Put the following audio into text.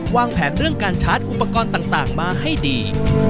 วางแผนเรื่องการชาร์จอุปกรณ์ต่างมาให้ดี